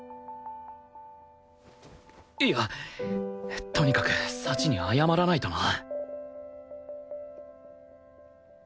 いやとにかく幸に謝らないとな